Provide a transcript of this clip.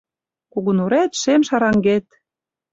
Кугу нурет — шем шараҥгет